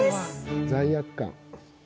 罪悪感。